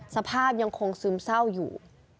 สภาพยังคงซึมเศร้าอยู่